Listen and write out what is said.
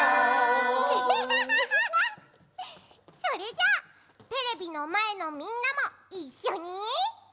それじゃあテレビのまえのみんなもいっしょに。